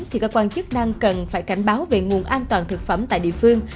thì cơ quan chức năng cần phải cảnh báo về nguồn an toàn thực phẩm tại địa phương